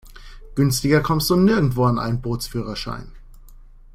Günstiger kommst du nirgendwo an einen Bootsführerschein.